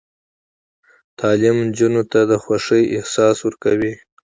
تعلیم نجونو ته د خوښۍ احساس ورکوي.